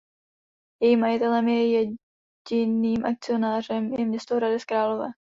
Jejím majitelem a jediným akcionářem je město Hradec Králové.